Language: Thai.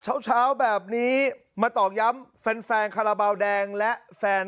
เช้าเช้าแบบนี้มาตอกย้ำแฟนคาราบาลแดงและแฟน